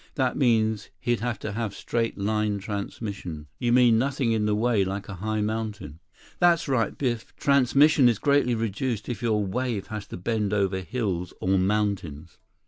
That means he'd have to have straight line transmission." "You mean nothing in the way, like a high mountain?" "That's right, Biff. Transmission is greatly reduced if your wave has to bend over hills or mountains."